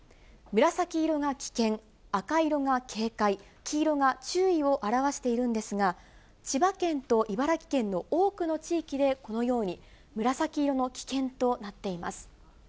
紫色が危険、赤色が警戒、黄色が注意を表しているんですが、千葉県と茨城県の多くの地域で、このように、紫色の危険となっています。